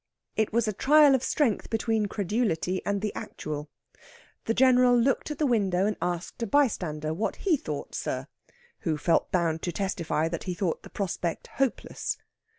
It was a trial of strength between credulity and the actual. The General looked at the window and asked a bystander what he thought, sir? Who felt bound to testify that he thought the prospect hopeless.